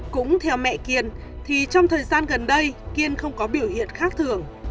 cũng theo mẹ kiên thì trong thời gian gần đây kiên không có biểu hiện khác thường